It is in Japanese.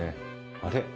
あれ？